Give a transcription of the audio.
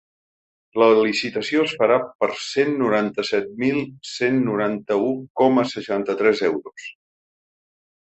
La licitació es farà per cent noranta-set mil cent noranta-u coma seixanta-tres euros.